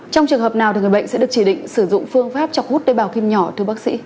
trong trường hợp nào người bệnh sẽ được chỉ định sử dụng phương pháp chọc hút tế bào kim nhỏ thưa bác sĩ